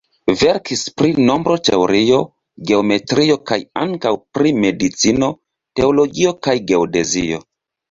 Verkis pri nombroteorio, geometrio kaj ankaŭ pri medicino, teologio kaj geodezio.